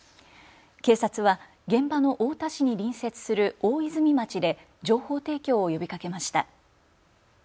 警察は現場の太田市に隣接する大泉町で情報提供を呼びかけました。